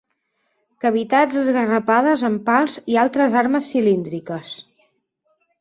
Cavitats esgarrapades amb pals i altres armes cilíndriques.